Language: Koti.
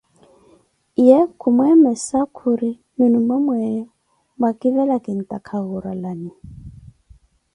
Ye khu mwemessa, khuri nunu nwe mweyo mwakivela kintaaka wurralani.